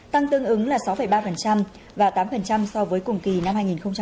tăng tương ứng là sáu ba và tám so với cùng kỳ năm hai nghìn một mươi chín